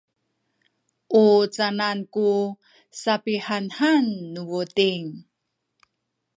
u canan ku sapihanhan nu buting?